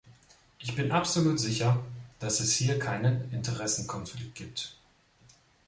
Ich bin absolut sicher, dass es hier keinen Interessenkonflikt gibt.